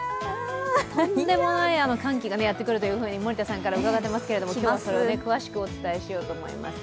とんでもない寒気がやってくると伺ってますが詳しくお伝えしようと思います。